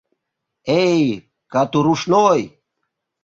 — Эй, катурушной!